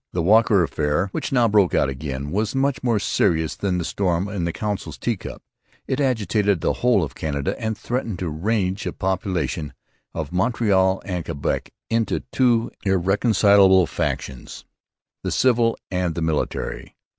The Walker affair, which now broke out again, was much more serious than the storm in the Council's teacup. It agitated the whole of Canada and threatened to range the population of Montreal and Quebec into two irreconcilable factions, the civil and the military.